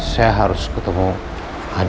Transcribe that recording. saya harus ketemu adi